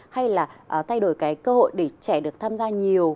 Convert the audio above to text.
hay là thay đổi cái cơ hội để trẻ được tham gia nhiều hoàn toàn